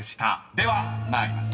［では参ります。